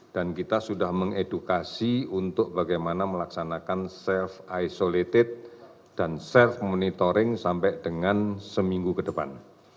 dan kita sudah mengedukasi untuk bagaimana melaksanakan self isolated dan self monitoring sampai dengan seminggu ke depan